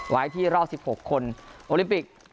ไว้ที่รอบ๑๖คนโอลิมปิก